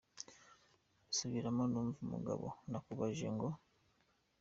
Subiramo, numve !" Umugabo:"Nakubajije ngo .